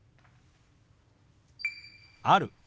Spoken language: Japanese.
「ある」。